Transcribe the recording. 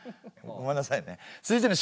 ごめんなさいね。